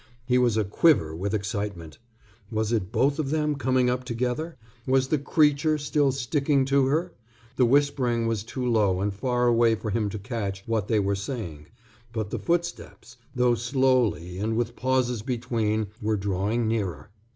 He was a quiver with excitement. Was it both of them coming up together? Was the creature still sticking to her? The whispering was too low and far away for him to catch what they were saying. But the footsteps, though slowly and with pauses between, were drawing nearer.